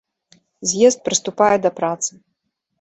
З'езд прыступае да працы.